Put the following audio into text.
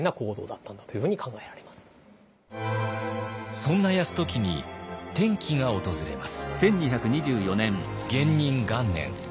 そんな泰時に転機が訪れます。